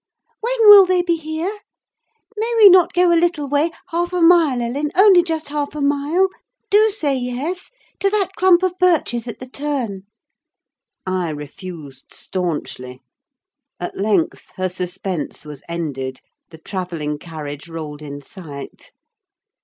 When will they be here? May we not go a little way—half a mile, Ellen, only just half a mile? Do say yes, to that clump of birches at the turn!" I refused staunchly. At length her suspense was ended: the travelling carriage rolled in sight.